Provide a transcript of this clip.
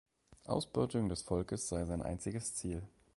Ausbeutung des Volkes sei sein einziges Ziel.